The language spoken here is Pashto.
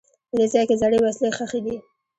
په دې ځای کې زړې وسلې ښخي دي.